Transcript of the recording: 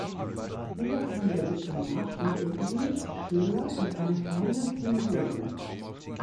Dieser kam der Bitte nach und entließ Schlör mit einer kleinen Pension.